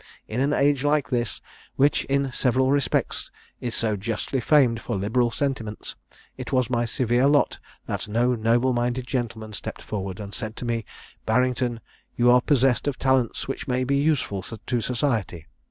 In an age like this, which, in several respects, is so justly famed for liberal sentiments, it was my severe lot that no noble minded gentleman stepped forward, and said to me, 'Barrington, you are possessed of talents which may be useful to society.